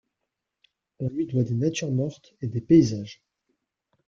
On lui doit des natures mortes et des paysages.